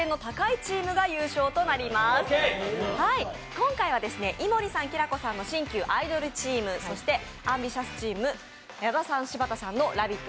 今回は井森さん、きらこさんの新旧アイドルチーム、そしてＡｍＢｉｔｉｏｕｓチーム、矢田さん、柴田さんのラヴィット！